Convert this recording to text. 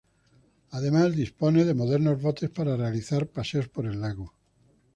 Además dispone de modernos botes para realizar paseos por el lago.